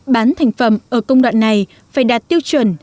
bán thành phẩm ở công đoạn này phải đạt tiêu chuẩn